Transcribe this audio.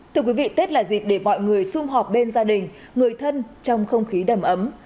thưa quý vị tết là dịp để mọi người xung họp bên gia đình người thân trong không khí đầm ấm